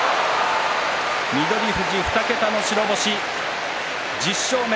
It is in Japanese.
翠富士、２桁の白星１０勝目。